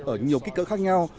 ở nhiều kích cỡ khác nhau